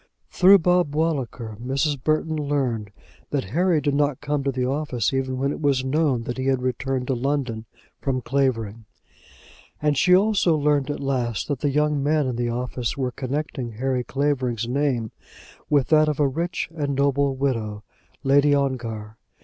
Through Bob Walliker, Mrs. Burton learned that Harry did not come to the office even when it was known that he had returned to London from Clavering; and she also learned at last that the young men in the office were connecting Harry Clavering's name with that of the rich and noble widow, Lady Ongar.